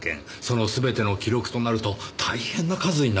その全ての記録となると大変な数になりますねぇ。